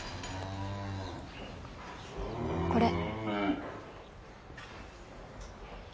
これ